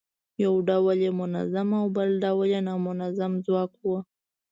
یو ډول یې منظم او بل ډول یې نامنظم ځواک و.